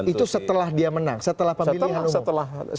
itu setelah dia menang setelah pemilihan umum